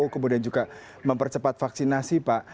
kemudian juga mempercepat vaksinasi pak